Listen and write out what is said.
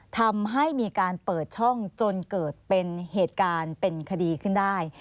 ทำให้มีการเปิดช่องจนเกิดเป็นเหตุการณ์เป็นคดีขึ้นได้